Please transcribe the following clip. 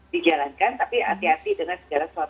dijalankan tapi hati hati dengan